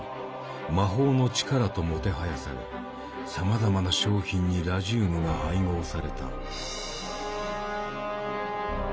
「魔法の力」ともてはやされさまざまな商品にラジウムが配合された。